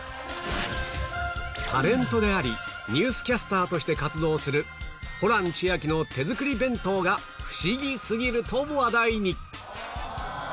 タレントでありニュースキャスターとして活動するホラン千秋の手作り弁当がフシギすぎると話題に！